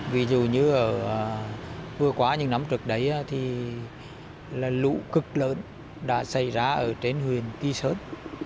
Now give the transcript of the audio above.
ví dụ như vừa qua những năm trước đấy thì là lũ cực lớn đã xảy ra ở trên huyền kỳ sơn